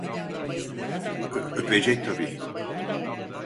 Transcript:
Öpecek tabii…